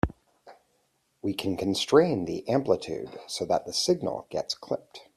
We can constrain the amplitude so that the signal gets clipped.